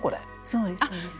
そうですそうです。